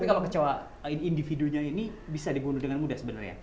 tapi kalau kecewa individunya ini bisa dibunuh dengan mudah sebenarnya